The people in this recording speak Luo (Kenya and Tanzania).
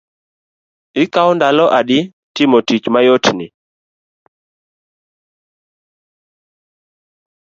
Ikao ndalo adi timo tich mayot ni?